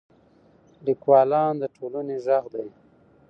لیکوالان د ټولنې ږغ دي.